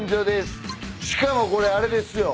しかもこれあれですよ。